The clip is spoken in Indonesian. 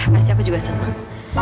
pasti aku juga seneng